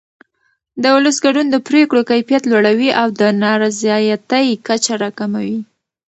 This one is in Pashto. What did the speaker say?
د ولس ګډون د پرېکړو کیفیت لوړوي او د نارضایتۍ کچه راکموي